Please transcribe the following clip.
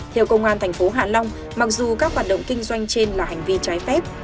theo công an tp hạ long mặc dù các hoạt động kinh doanh trên là hành vi trái phép